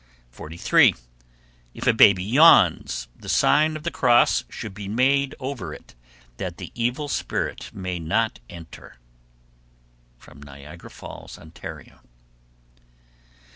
43. If a baby yawns, the sign of the cross should be made over it that the evil spirit may not enter. Niagara Falls, Ont. 44.